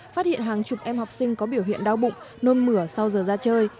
phát hiện hàng chục em học sinh có biểu hiện đau bụng nôn mửa sau giờ ra chơi